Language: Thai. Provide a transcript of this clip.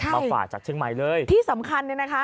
มาฝ่าจากเชียงใหม่เลยใช่ที่สำคัญนะคะ